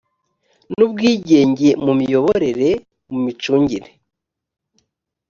n ubwigenge mu miyoborere mu micungire